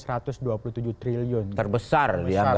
rp satu ratus dua puluh tujuh triliun terbesar